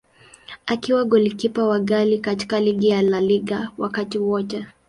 Akiwa golikipa wa ghali katika ligi ya La Liga wakati wote.